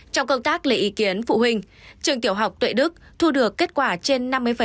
trong công tác lấy ý kiến phụ huynh trường tiểu học tuệ đức thu được kết quả trên năm mươi